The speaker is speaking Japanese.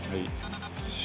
塩。